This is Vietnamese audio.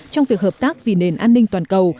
trong việc hợp tác vì nền an ninh toàn cầu